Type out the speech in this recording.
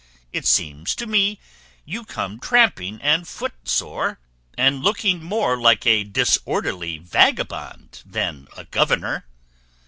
It seems to me you come tramping and footsore, and looking more like a disorderly vagabond than a governor."